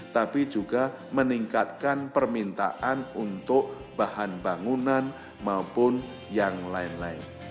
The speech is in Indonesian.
tapi juga meningkatkan permintaan untuk bahan bangunan maupun yang lain lain